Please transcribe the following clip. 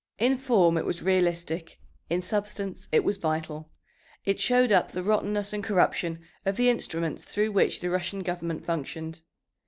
In form it was realistic, in substance it was vital. It showed up the rottenness and corruption of the instruments through which the Russian government functioned.